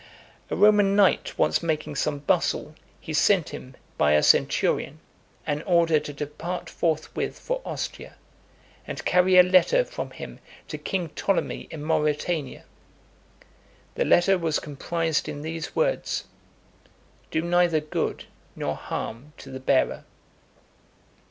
A Roman knight once making some bustle, he sent him, by a centurion, an order to depart forthwith for Ostia , and carry a letter from him to king Ptolemy in Mauritania. The letter was comprised in these words: "Do neither good nor harm to the bearer."